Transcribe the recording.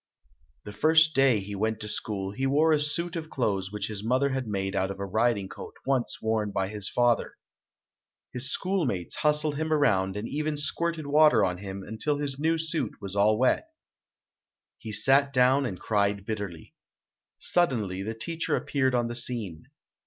The first day he went to school, he wore a suit of clothes which his mother had made out of a riding coat once worn by his father. His school 238 ] UNSUNG HEROES mates hustled him around and even squirted water on him until his new suit was all wet. He sat down and cried bitterly. Suddenly, the teacher appeared on the scene.